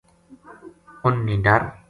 اُنھ نے ڈر